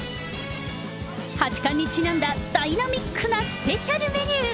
八冠にちなんだダイナミックなスペシャルメニュー。